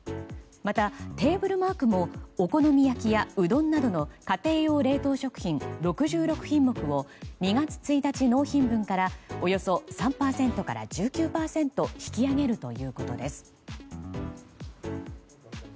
また、テーブルマークもお好み焼きやうどんなどの家庭用冷凍食品６６品目を２月１日納品分からおよそ３％から１９％引き上げるということです。